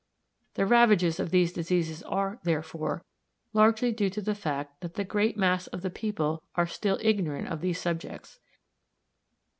The ravages of these diseases are, therefore, largely due to the fact that the great mass of the people are still ignorant of these subjects.